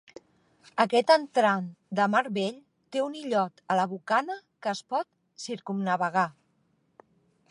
Aquest entrant de mar bell té un illot a la bocana que es pot circumnavegar.